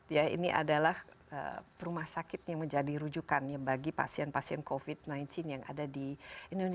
ya ini adalah rumah sakit yang menjadi rujukan bagi pasien pasien covid sembilan belas yang ada di indonesia